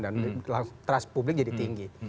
dan trust publik jadi tinggi